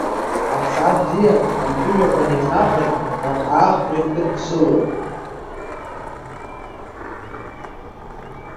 Аԥсаатә бзиа амҵәыжәҩақәа неиҵнахыр, наҟ-ааҟ иркыдсылоит.